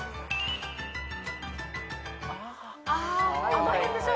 あの辺でしょ？